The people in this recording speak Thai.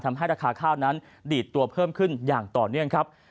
ทำให้ราคาข้าวนั้นดีดตัวเพิ่มขึ้นอย่างต่อเนื่องครับ